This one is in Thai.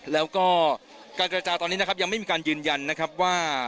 แล้วก็การเจรจาตอนนี้นะครับยังไม่มีการยืนยันนะครับว่า